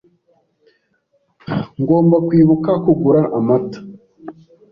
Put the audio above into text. Ngomba kwibuka kugura amata.